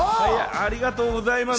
ありがとうございます。